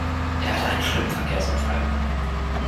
Er hatte einen schlimmen Verkehrsunfall.